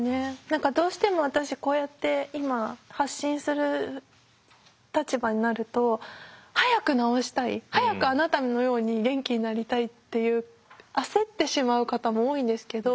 何かどうしても私こうやって今発信する立場になると早く治したい早くあなたのように元気になりたいっていう焦ってしまう方も多いんですけど。